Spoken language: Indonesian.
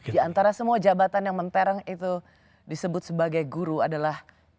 di antara semua jabatan yang mentereng itu disebut sebagai guru adalah